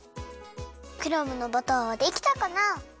クラムのバターはできたかな？